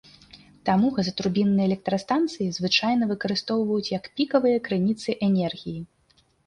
Таму газатурбінныя электрастанцыі звычайна выкарыстоўваюць як пікавыя крыніцы энергіі.